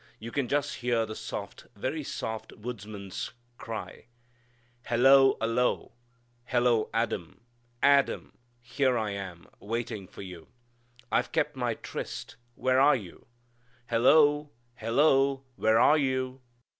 You can just hear the soft, very soft woodsman's cry, "Hello alo, hello, Adam, A a dam here I am waiting for you I've kept my tryst where are you? hello o hello where are you?"